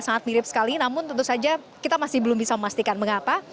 sangat mirip sekali namun tentu saja kita masih belum bisa memastikan mengapa